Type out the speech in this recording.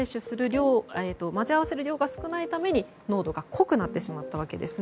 混ぜ合わせる量が少ないために濃度が濃くなってしまったと。